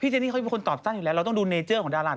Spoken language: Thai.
เจนี่เขาเป็นคนตอบตั้งอยู่แล้วเราต้องดูเนเจอร์ของดารา